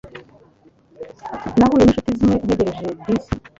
Nahuye ninshuti zimwe ntegereje bisi.